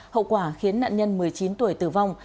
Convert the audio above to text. hậu quả khiến nạn nhân một mươi chín tuổi tử vong